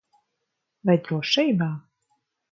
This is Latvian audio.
Vai drošībā?